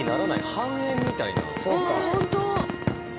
半円みたいな。